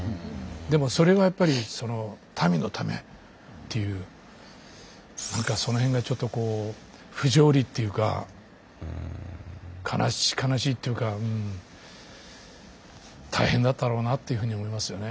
でもそれはやっぱり民のためっていうなんかその辺がちょっとこう不条理っていうか悲しいっていうか大変だったろうなっていうふうに思いますよね。